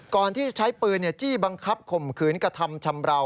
ก่อนที่ใช้ปืนจี้บังคับข่มขืนกระทำชำราว